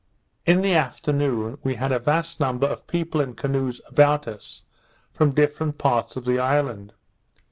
In the afternoon, we had a vast number of people and canoes about us, from different parts of the island.